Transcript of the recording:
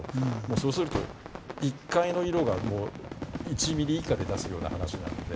そうすると１回の色がもう１ミリ以下で出すような話なので。